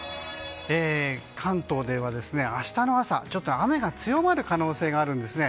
関東では、明日の朝ちょっと雨が強まる可能性があるんですね。